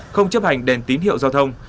không chấp hành đèn tín hiệu giao thông